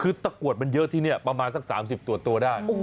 คือตะกรวดมันเยอะที่นี่ประมาณสัก๓๐ตัวได้